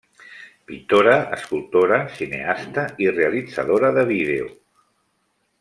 Pintora, escultora, cineasta i realitzadora de vídeo.